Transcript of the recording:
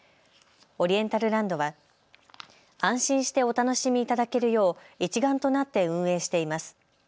オリエンタルランドは安心してお楽しみいただけるよう一丸となって運営しています。